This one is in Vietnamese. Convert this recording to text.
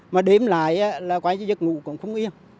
mà đếm lại là quán chế giật ngủ còn không yên